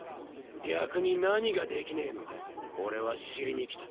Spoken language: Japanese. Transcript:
逆に何ができねのか俺は知りに来た。